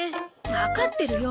わかってるよ。